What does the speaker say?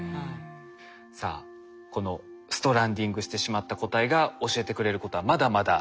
さあこのストランディングしてしまった個体が教えてくれることはまだまだあります。